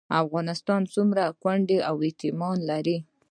افغانستان څومره کونډې او یتیمان لري؟